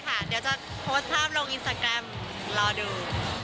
เดี๋ยวจะโพสต์ภาพลงอินสตาแกรมรอดู